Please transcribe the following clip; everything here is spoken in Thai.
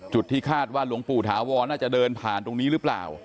ที่คาดว่าหลวงปู่ถาวรน่าจะเดินผ่านตรงนี้หรือเปล่า